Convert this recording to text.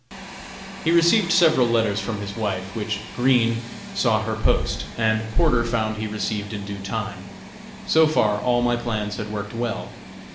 He received several letters from his wife, which Green saw her post, and Porter found he received in due time. So far all my plans had worked well.